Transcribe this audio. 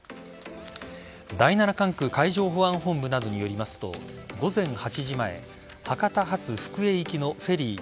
第７管区海上保安本部などによりますと午前８時前博多発福江行きのフェリー